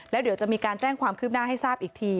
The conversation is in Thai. แล้วเดี๋ยวจะมีการแจ้งความคืบหน้าให้ทราบอีกที